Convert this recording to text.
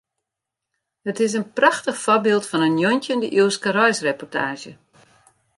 It is in prachtich foarbyld fan in njoggentjinde-iuwske reisreportaazje.